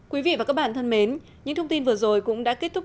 tuy nhiên để đạt được mục tiêu trên manila sẽ cần đến sự hỗ trợ tài chính và kỹ thuật